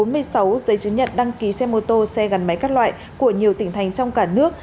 bốn mươi sáu giấy chứng nhận đăng ký xe mô tô xe gắn máy các loại của nhiều tỉnh thành trong cả nước